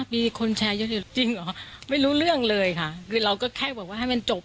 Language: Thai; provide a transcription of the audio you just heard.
มีคนแชร์เยอะจริงเหรอไม่รู้เรื่องเลยค่ะคือเราก็แค่บอกว่าให้มันจบ